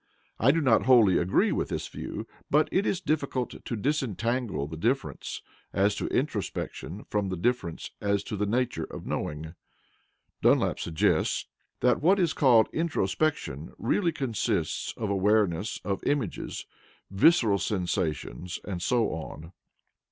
I do not wholly agree with this view, but it is difficult to disentangle the difference as to introspection from the difference as to the nature of knowing. Dunlap suggests (p. 411) that what is called introspection really consists of awareness of "images," visceral sensations, and so on.